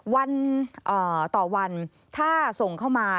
วันต่อวันถ้าส่งเข้ามา